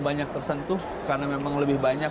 banyak tersentuh karena memang lebih banyak